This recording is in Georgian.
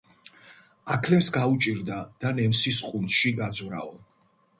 აქლემს გაუჭირდა და ნემსის ყუნწში გაძვრაო,